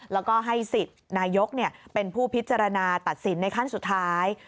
แล้วก็ให้สิทธิ์นายกเป็นผู้พิจารณาตัดสินในขั้นสุดท้าย